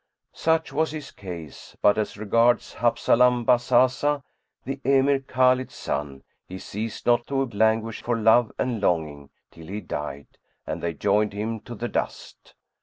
Such was his case; but as regards Habzalam Bazazah, the Emir Khбlid's son, he ceased not to languish for love and longing till he died and they joined him to the dust.